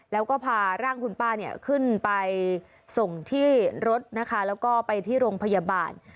แล้วก็พาร่างคุณป้าเนี่ยขึ้นไปส่งที่รถนะคะแล้วก็ไปที่โรงพยาบาล